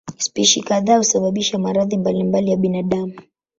Spishi kadhaa husababisha maradhi mbalimbali ya binadamu.